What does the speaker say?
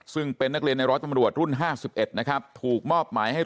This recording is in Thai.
ซึ่งเป็นนักเรียนในร้อยตำรวจรุ่น๕๑นะครับถูกมอบหมายให้